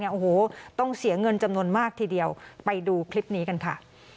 โอ้โหต้องเสียเงินจำนวนมากทีเดียวไปดูคลิปนี้กันค่ะ